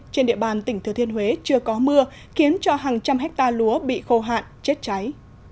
trên địa bàn tỉnh thừa thiên huế chưa có mưa khiến cho hàng trăm hectare lúa bị khô hạn chết cháy